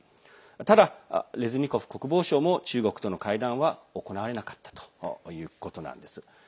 ただ、レズニコフ国防相も中国との会談は行われなかったということなんです。